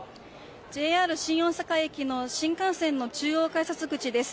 ＪＲ新大阪駅の新幹線の中央改札口です。